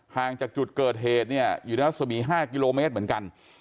ห่างจากจุดเกิดเหตุเนี่ยอยู่ในรัศมี๕กิโลเมตรเหมือนกัน